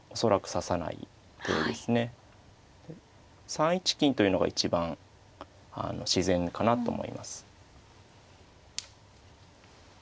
３一金というのが一番自然かなと思います。